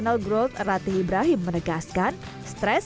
tiation empat ini menenangkan waktunya cari teman teman gojol ke the tables